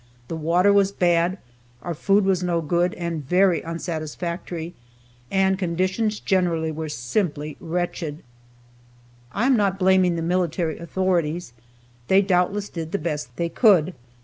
The water was bad, our food was no good and very unsatisfactory, and the conditions generally were simply wretched. I am not blaming the military authorities. They doubtless did the best they could.